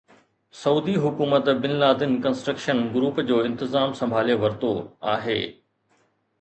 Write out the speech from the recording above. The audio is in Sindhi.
سعودي حڪومت بن لادن ڪنسٽرڪشن گروپ جو انتظام سنڀالي ورتو آهي